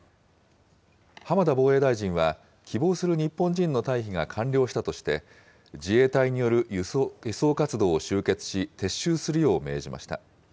浜田防衛大臣は、希望する日本人の退避が完了したとして、自衛隊による輸送活動を終結し、撤収するよう命じました。